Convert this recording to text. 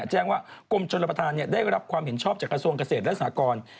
แจ้งว่ากรมชนประธานได้รับความเห็นชอบจากกระทรวงเกษตรและสากร